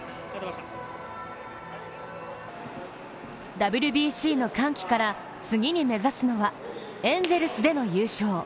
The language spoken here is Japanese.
ＷＢＣの歓喜から次に目指すのはエンゼルスでの優勝。